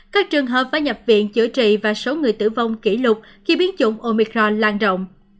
các trường hợp phải nhập viện chữa trị và số người tử vong kỷ lục khi biến chủng omicron